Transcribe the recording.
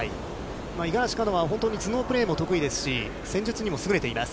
五十嵐カノアは、本当に頭脳プレーも得意ですし、戦術にも優れています。